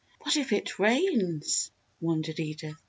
"What if it rains!" wondered Edith.